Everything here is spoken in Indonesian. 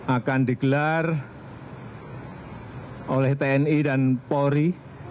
akan digelar oleh tni dan polri